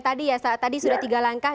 tadi ya tadi sudah tiga langkah